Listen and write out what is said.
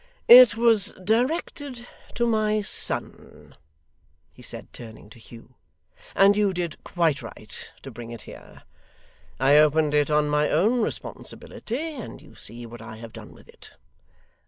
'It was directed to my son,' he said, turning to Hugh, 'and you did quite right to bring it here. I opened it on my own responsibility, and you see what I have done with it.